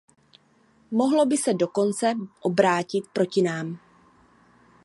Mohlo by se dokonce obrátit proti nám.